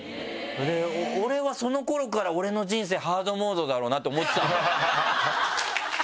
俺はその頃から俺の人生ハードモードだろうなと思ってた。